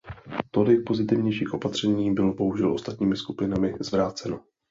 Tolik pozitivnějších opatření bylo bohužel ostatními skupinami zvráceno.